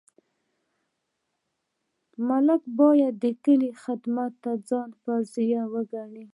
ملک باید د کلي خدمت د ځان فریضه وګڼي.